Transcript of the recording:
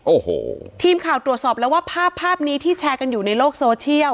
โอ้โหทีมข่าวตรวจสอบแล้วว่าภาพภาพนี้ที่แชร์กันอยู่ในโลกโซเชียล